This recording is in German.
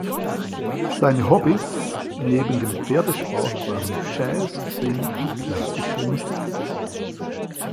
Seine Hobbys neben dem Pferdesport waren Jazz, Swing und klassische Musik.